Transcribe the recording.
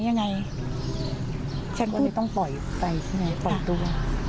วันนี้ต้องปล่อยไปใช่ไหมปล่อยตัว